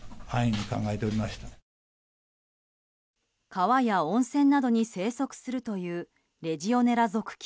川や温泉などに生息するというレジオネラ属菌。